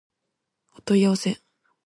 お問い合わせ